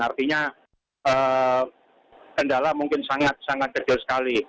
artinya kendala mungkin sangat sangat kecil sekali